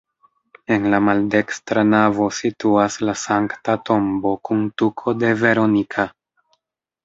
En la maldekstra navo situas la Sankta Tombo kun tuko de Veronika.